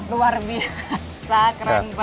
luar biasa keren banget